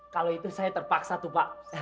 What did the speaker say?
kalau itu saya terpaksa tuh pak